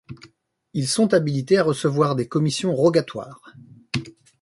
Ils sont habilités à recevoir des commissions rogatoires.